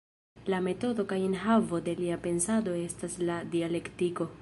La metodo kaj enhavo de lia pensado estas la dialektiko.